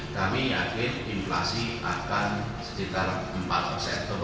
kami yakin inflasi akan sekitar empat persen